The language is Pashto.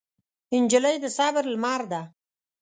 نجلۍ د صبر لمر ده.